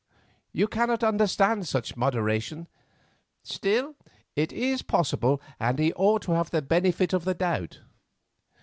You cannot understand such moderation. Still, it is possible, and he ought to have the benefit of the doubt.